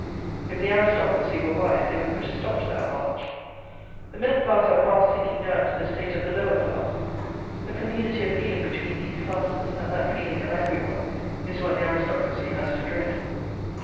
If the aristocracy were wise, they would put a stop to that march. The middle class are fast sinking down to the state of the lower class. A community of feeling between these classes, and that feeling an angry one, is what the aristocracy has to dread.